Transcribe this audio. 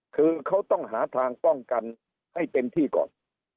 คือเขาต้องหาทางป้องกันให้เต็มที่ก่อน